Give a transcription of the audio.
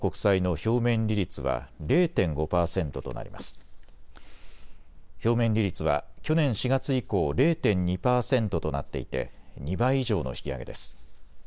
表面利率は去年４月以降、０．２％となっていて２倍以上の引き上げです。